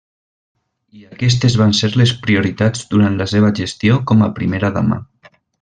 I aquestes van ser les prioritats durant la seva gestió com a primera dama.